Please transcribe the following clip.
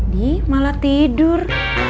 di malah tidur